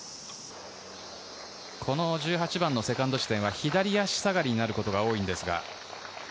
この１８番のセカンド地点は左足下がりになることが多いんですが。